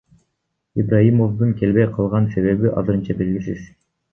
Ибраимовдун келбей калган себеби азырынча белгисиз.